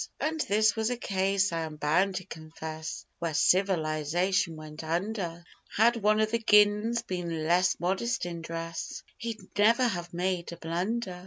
And this was a case, I am bound to confess, Where civilisation went under; Had one of the gins been less modest in dress He'd never have made such a blunder.